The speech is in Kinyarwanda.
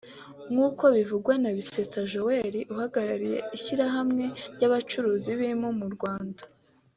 nk’uko bivugwa na Bisetsa Joel uhagarariye ishyirahamwe ry’abacuruzi b’impu mu Rwanda